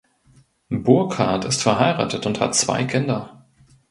Burkhard ist verheiratet und hat zwei Kinder.